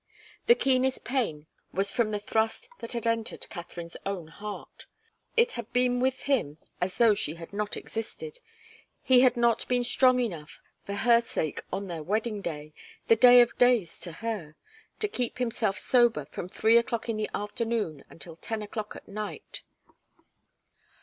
The keenest pain was from the thrust that had entered Katharine's own heart. It had been with him as though she had not existed. He had not been strong enough, for her sake, on their wedding day the day of days to her to keep himself sober from three o'clock in the afternoon until ten o'clock at night.